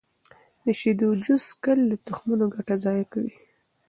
د شیدو جوس څښل د تخمونو ګټه ضایع کوي.